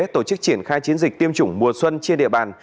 tổ chức triển khai chiến dịch tiêm chủng mùa xuân trên địa bàn